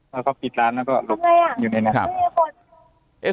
ถ้าเขาปิดร้านก็อยู่ในนั้น